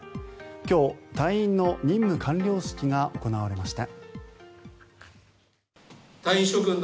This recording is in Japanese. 今日、隊員の任務完了式が行われました。